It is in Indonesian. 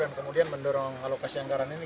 dan kemudian mendorong alokasi anggaran ini